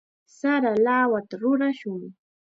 Sara lawata rurashun.